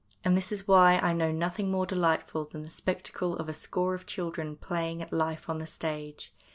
And this is why I know nothing more delightful than the spectacle of a score of children playing at life on the stage.